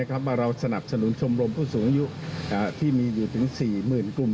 ว่าเราสนับสนุนชมรมผู้สูงอายุที่มีอยู่ถึง๔๐๐๐กลุ่ม